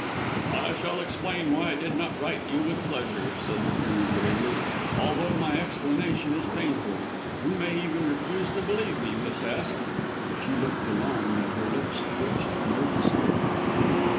"I shall explain why I did not write you with pleasure," said the Colonel gravely, "although my explanation is painful. You may even refuse to believe me, Miss Hest." She looked alarmed and her lips twitched nervously.